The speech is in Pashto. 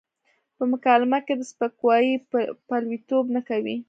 په مکالمه کې د سپکاوي پلويتوب نه کوي.